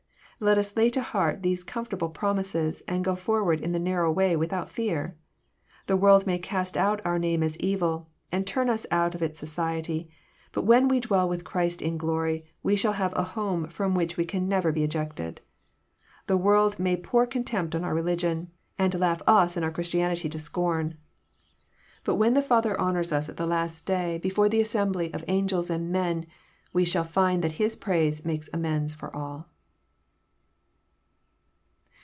Let us lay to heart these comfortable promises, and go forward in the narrow way without fear. The world may cast out our name as evil, and turn us out of its society ; but when we dwell with Christ in glory, we shall have a home from which we can never be ejected. — The world may pour contempt on our religion, and laugh us and our Chris tianity to scorn ; but when the Father honours ns at the JOHN, CHAP, xn* 335 last day, before the assembly of angels and men, we shall find that His praise makes amends for all.